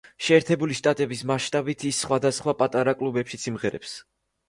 შეერთებული შტატების მასშტაბით ის სახვადასხვა პატარა კლუბშიც იმღერებს.